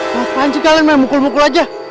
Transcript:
maafkan sih kalian main mukul mukul aja